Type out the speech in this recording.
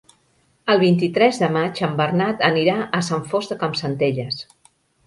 El vint-i-tres de maig en Bernat anirà a Sant Fost de Campsentelles.